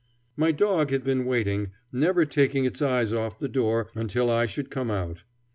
My dog had been waiting, never taking its eyes off the door, until I should come out.